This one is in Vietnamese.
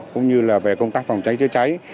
cũng như là về công tác phòng cháy chữa cháy